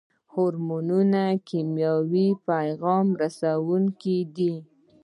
هورمونونه کیمیاوي پیغام رسوونکي دي